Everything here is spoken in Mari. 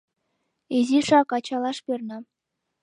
Изишак ачалаш перна.